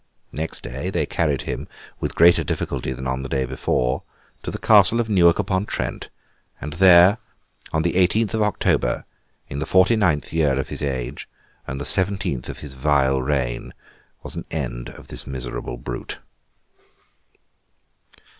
Next day, they carried him, with greater difficulty than on the day before, to the castle of Newark upon Trent; and there, on the eighteenth of October, in the forty ninth year of his age, and the seventeenth of his vile reign, was an end of this miserable brute.